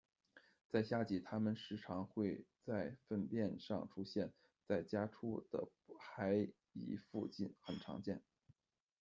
在夏季，它们时常会在粪便上出现，在家畜的排遗附近很常见。